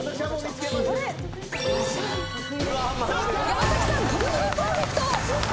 山さんギリギリパーフェクト。